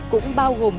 cũng bao gồm